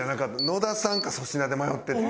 野田さんか粗品で迷っててん。